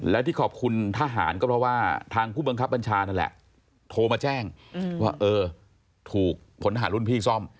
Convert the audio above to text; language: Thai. และที่ขอบคุณทหารก็เพราะว่าทางผู้บังคับบัญชานั่นแหละโทรมาแจ้งว่าเออถูกผลทหารรุ่นพี่ซ่อม